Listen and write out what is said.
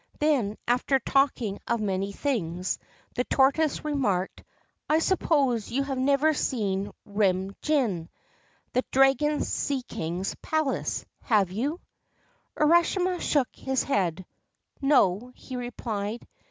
Then, after talking of many things, the tortoise remarked, ' I suppose you have never seen Rin Gin, the Dragon Sea King's palace, have you ?' Urashima shook his head. 4 No,' he replied.